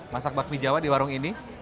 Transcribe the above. masak bakmi jawa di warung ini